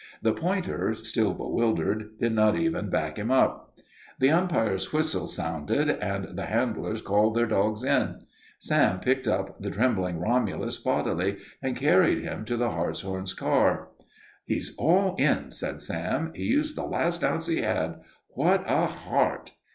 The pointer, still bewildered, did not even back him up. The umpire's whistle sounded and the handlers called their dogs in. Sam picked up the trembling Romulus bodily and carried him to the Hartshorn car. "He's all in," said Sam. "He used the last ounce he had. What a heart!"